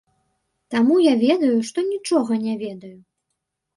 Таму я ведаю, што нічога не ведаю.